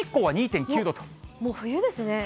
もう冬ですね。